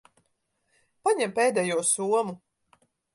Paņem pēdējo somu.